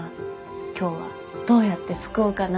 今日はどうやって救おうかな？